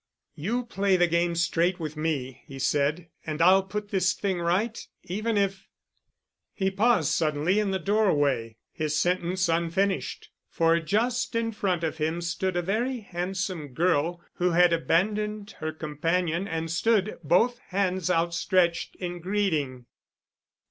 "You play the game straight with me," he said, "and I'll put this thing right, even if——" He paused suddenly in the doorway, his sentence unfinished, for just in front of him stood a very handsome girl, who had abandoned her companion and stood, both hands outstretched, in greeting.